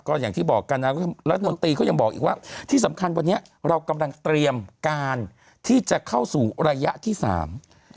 ก็อย่างที่บอกกันนะรัฐมนตรีก็ยังบอกอีกว่าที่สำคัญวันนี้เรากำลังเตรียมการที่จะเข้าสู่ระยะที่สาม